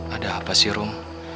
ada apa sih rom